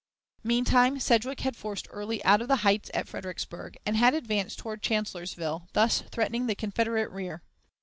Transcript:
"Meantime Sedgwick had forced Early out of the heights at Fredericksburg, and had advanced toward Chancellorsville, thus threatening the Confederate rear.